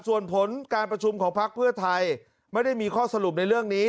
ส่วนผลการประชุมของพักเพื่อไทยไม่ได้มีข้อสรุปในเรื่องนี้